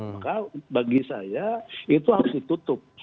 maka bagi saya itu harus ditutup